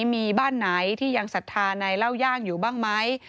มีบ้านไหนที่ยังศรัทธาในเล่าย่างอยู่บ้างไหม